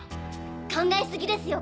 考えすぎですよ